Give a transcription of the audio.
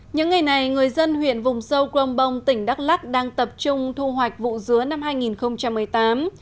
những ngày này người dân huyện vùng sâu crong bông tỉnh đắk lắc đang tập trung thu hoạch vụ dứa năm hai nghìn một mươi tám